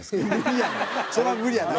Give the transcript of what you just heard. それは無理やな。